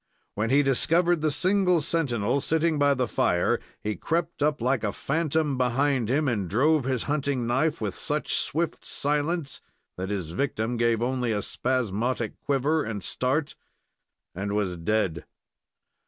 When he discovered the single sentinel sitting by the fire, he crept up like a phantom behind him, and drove his hunting knife with such swift silence that his victim gave only a spasmodic quiver and start, and was dead.